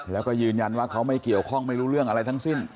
แล้วก็ยืนยันว่าเขาไม่เกี่ยวข้องไม่รู้เรื่องอะไรทั้งสิ้น